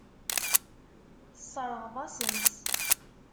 Tesseṛɣeḍ-asen-tt.